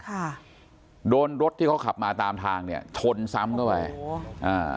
ค่ะโดนรถที่เขาขับมาตามทางเนี้ยชนซ้ำเข้าไปโอ้อ่า